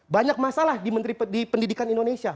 banyak masalah di menteri pendidikan indonesia